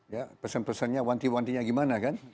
ya pesen pesennya wanti wantinya gimana kan